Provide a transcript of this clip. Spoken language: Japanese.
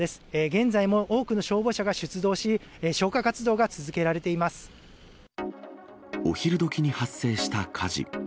現在も多くの消防車が出動し、お昼どきに発生した火事。